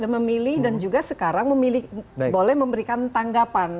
memilih dan juga sekarang memilih boleh memberikan tanggapan